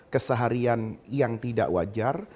keseharian yang tidak wajar